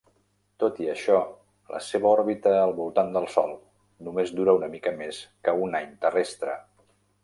Tot i això, la seva òrbita al voltant del Sol només dura una mica més que un any terrestre.